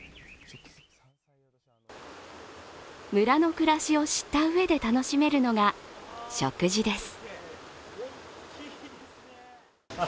村の暮らしを知ったうえで楽しめるのが食事です。